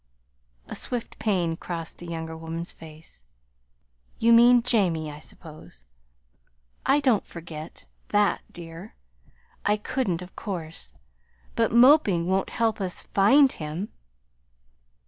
A swift pain crossed the younger woman's face. "You mean Jamie, I suppose. I don't forget that, dear. I couldn't, of course. But moping won't help us find him."